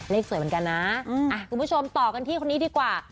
เลขสวยเหมือนกันนะคุณผู้ชมต่อกันที่คนนี้ดีกว่า